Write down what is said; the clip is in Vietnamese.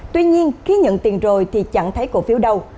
tuy nhiên khi nhận tiền rồi thì chẳng thấy cổ phiếu đâu